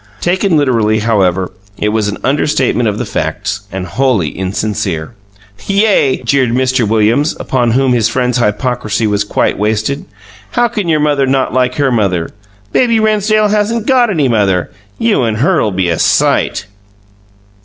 Taken literally, however, it was an understatement of the facts and wholly insincere. "Yay!" jeered Mr. Williams, upon whom his friend's hypocrisy was quite wasted. "How can your mother not like her mother? Baby Rennsdale hasn't got any mother! You and her'll be a sight!"